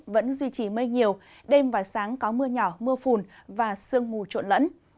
vẫn duy trì mây nhiều đêm và sáng có mưa nhỏ mưa phùn và sương mù trộn lẫn